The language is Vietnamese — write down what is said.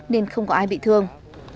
nên không có ai bị thương